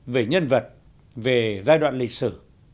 về nhân vật về giai đoạn lịch sử